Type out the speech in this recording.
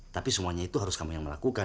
tapi semuanya itu harus kamu yang melakukan